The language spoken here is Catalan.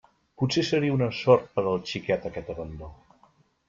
Potser seria una sort per al xiquet aquest abandó.